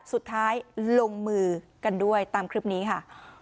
สุดท้ายลงมือกันด้วยตามคลิปนี้ค่ะ